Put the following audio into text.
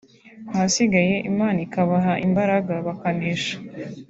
ahasigaye Imana ikabaha imbaraga bakanesha